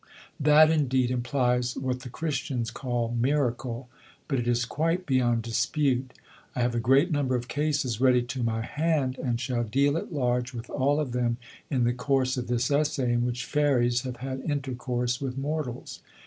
That, indeed, implies what the Christians call Miracle; but it is quite beyond dispute. I have a great number of cases ready to my hand, and shall deal at large with all of them in the course of this essay, in which fairies have had intercourse with mortals.